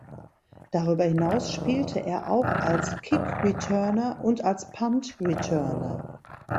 Darüber hinaus spielte er auch als Kick Returner und als Punt Returner.